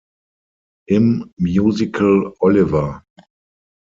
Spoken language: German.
Im Musical "Oliver!